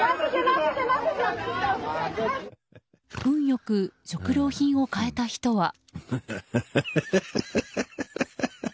運良く食料品を買えた人は。